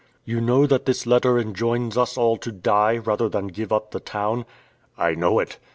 "You know that this letter enjoins us all to die, rather than give up the town?" "I know it."